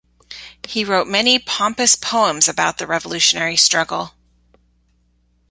He wrote many pompous poems about the revolutionary struggle.